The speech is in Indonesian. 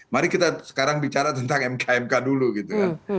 mari kita sekarang bicara tentang mkmk dulu gitu